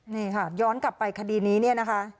นี่ค่ะย้อนกลับไปคดีนี้เนี่ยนะคะ